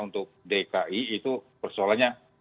untuk dki itu persoalannya